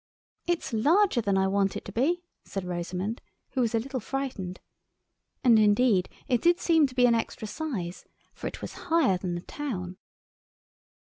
"It's larger than I want it to be," said Rosamund, who was a little frightened. And indeed it did seem to be an extra size, for it was higher than the town.